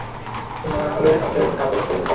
ওরা আমাকে এখন কাপে করে মুতাবে।